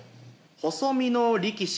細身の力士。